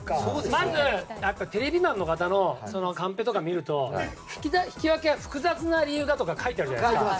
まず、テレビマンの方のカンペとか見ると引き分けが複雑な理由がとか書いてあるじゃないですか。